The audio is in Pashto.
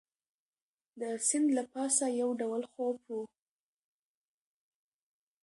د سیند له پاسه یو ډول خوپ وو.